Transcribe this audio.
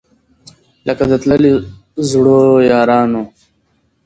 لکه د تللیو زړو یارانو